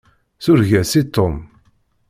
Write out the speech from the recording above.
Sureg-as i Tom!